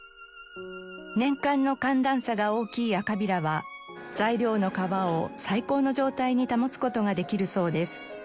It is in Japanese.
年間の寒暖差が大きい赤平は材料の革を最高の状態に保つ事ができるそうです。